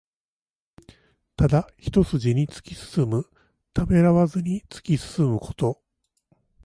ただ一すじに突き進む。ためらわずに突き進むこと。